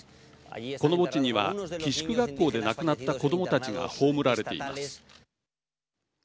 この墓地には、寄宿学校で亡くなった子どもたちが葬られています。